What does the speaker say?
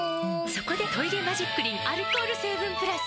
そこで「トイレマジックリン」アルコール成分プラス！